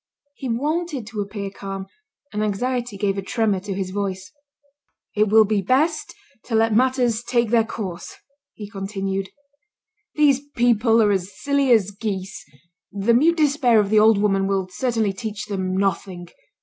He wanted to appear calm, and anxiety gave a tremor to his voice. "It will be best to let matters take their course," he continued. "These people are as silly as geese. The mute despair of the old woman will certainly teach them nothing.